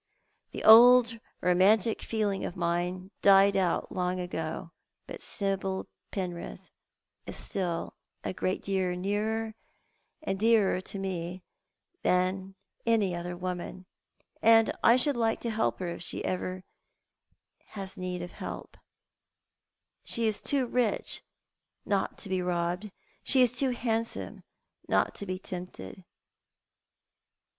The old romantic feeling of mine died out of me long ago ; but Sibyl Penrith is still a great deal nearer and dearer to me than any other woman, and I should like to help her if ever she have need of help She is too rich not to be robbed ; she is too handsome not to be tempted.